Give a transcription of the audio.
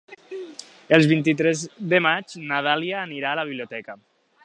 El vint-i-tres de maig na Dàlia anirà a la biblioteca.